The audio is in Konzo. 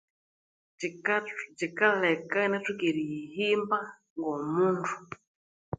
Kyikathu, kyikaleka ingathoka eriyihimba ngo'omundu